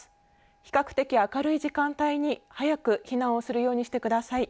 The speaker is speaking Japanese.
比較的明るい時間帯に早く避難をするようにしてください。